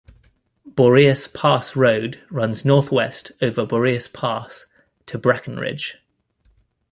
Boreas Pass Road runs northwest over Boreas Pass to Breckenridge.